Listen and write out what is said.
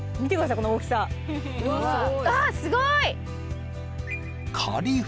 この大きさああすごい！